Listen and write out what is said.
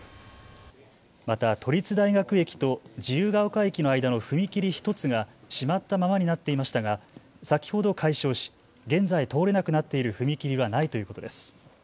また都立大学駅と自由が丘駅の間の踏切１つが閉まったままになっていましたが先ほど解消し現在、通れなくなっている踏切はないということです。